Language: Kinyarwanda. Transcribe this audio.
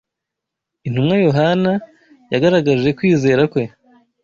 Intumwa Yohana yagaragaje kwizera kwe